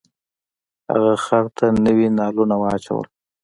هغه خر ته نوي نالونه واچول.